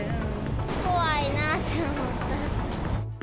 怖いなって思った。